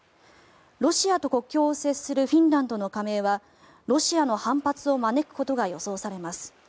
ロシアと国境を接するフィンランドの加盟はロシアの反発を招くことが予想されます。